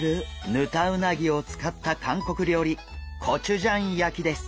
ヌタウナギをつかった韓国料理コチュジャン焼きです！